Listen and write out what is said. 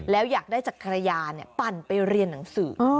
แล้วอยากได้จากภรรยาปั่นไปเรียนหนังสือ